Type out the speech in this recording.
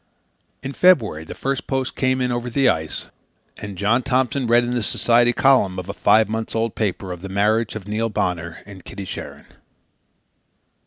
In February the first post came in over the ice, and John Thompson read in the society column of a five months old paper of the marriage of Neil Bonner and Kitty Sharon.